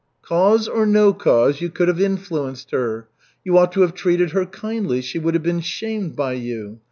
"Cause or no cause, you could have influenced her. You ought to have treated her kindly, she would have been shamed by you.